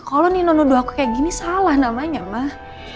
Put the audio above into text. kalo nino nuduh aku kayak gini salah namanya mah